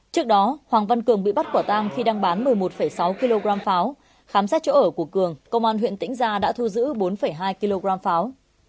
trước đó hoàng văn cường bị bắt quả tang khi đang bán một mươi một sáu kg pháo khám xét chỗ ở của cường công an huyện tĩnh gia đã thu giữ bốn hai kg pháo